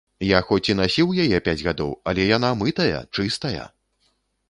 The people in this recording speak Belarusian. Я хоць і насіў яе пяць гадоў, але яна мытая, чыстая!